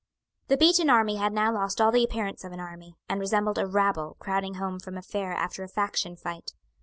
The beaten army had now lost all the appearance of an army, and resembled a rabble crowding home from a fair after a faction fight.